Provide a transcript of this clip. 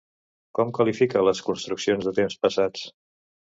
Com qualifica les construccions de temps passats?